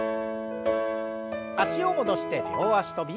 脚を戻して両脚跳び。